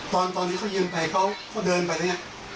ตอนนี้เขายืนไปเขาเดินไปแล้วไง